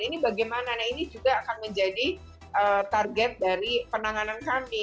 ini bagaimana nah ini juga akan menjadi target dari penanganan kami